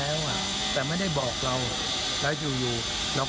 ในอนาคตใหม่ที่เหลือคนอื่นในใครรัก